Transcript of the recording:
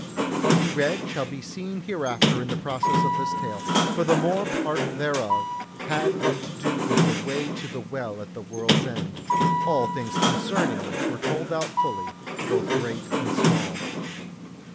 What he read shall be seen hereafter in the process of this tale; for the more part thereof had but to do with the way to the Well at the World's End, all things concerning which were told out fully, both great and small.